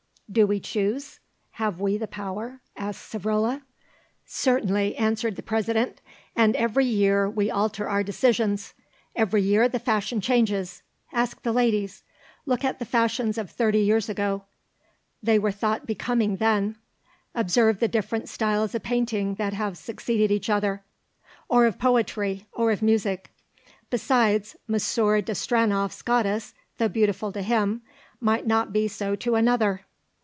"Do we choose? Have we the power?" asked Savrola. "Certainly," answered the President; "and every year we alter our decisions; every year the fashion changes. Ask the ladies. Look at the fashions of thirty years ago; they were thought becoming then. Observe the different styles of painting that have succeeded each other, or of poetry, or of music. Besides, Monsieur de Stranoff's goddess, though beautiful to him, might not be so to another."